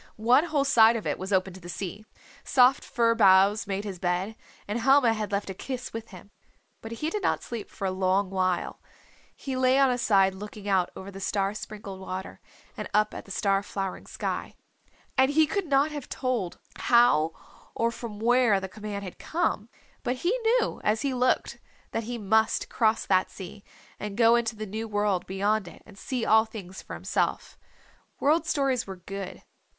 One whole side of it was open to the sea. Soft fir boughs made his bed, and Helma had left a kiss with him. But he did not sleep for a long while. He lay on his side looking out over the star sprinkled water and up at the star flowering sky. And he could not have told how or from where the command had come, but he knew as he looked that he must cross that sea and go into the new world beyond it and see all things for himself. World Stories were good.